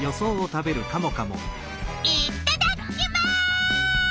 いっただっきます！